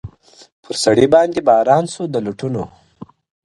پر سړي باندي باران سو د لوټونو -